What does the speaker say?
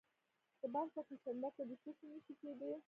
د بلخ په کشنده کې د څه شي نښې دي؟